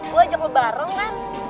gue ajak gue bareng kan